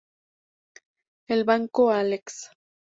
El banco Alex.